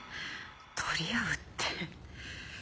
取り合うって。